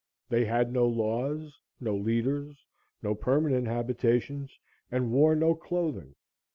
They had no laws; no leaders; no permanent habitations and wore no clothing.